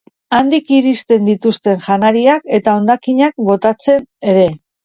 Handik irensten dituzte janariak eta hondakinak botatzen ere.